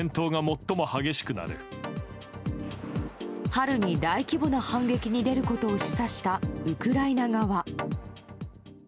春に大規模な反撃に出ることを示唆したウクライナ側。